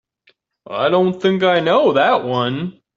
I don't think I know that one.